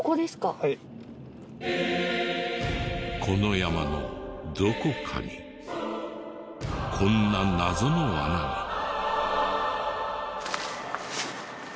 この山のどこかにこんな謎の穴が。